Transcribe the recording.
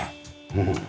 うん。